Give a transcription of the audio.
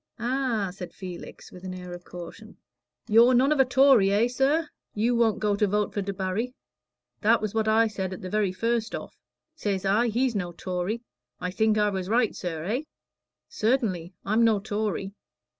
"Ah!" said Felix, with an air of caution. "You're none of a Tory, eh, sir? You won't go to vote for Debarry? That was what I said at the very first go off. Says I, he's no Tory. I think I was right, sir eh?" "Certainly; I'm no Tory."